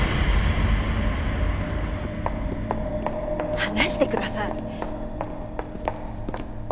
離してください。